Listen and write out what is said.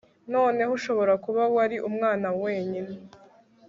noneho ushobora kuba wari umwana wenyine